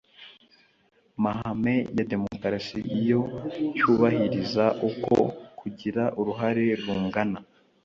mahame ya demukarasi iyo cyubahiriza uko kugira uruhare rungana